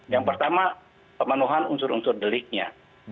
yang pertama pemenuhan unsur unsur deliknya